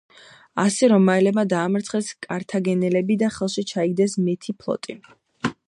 ასე რომაელებმა დაამარცხეს კართაგენელები და ხელში ჩაიგდეს მეთი ფლოტი.